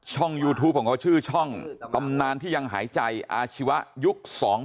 ยูทูปของเขาชื่อช่องตำนานที่ยังหายใจอาชีวะยุค๒๐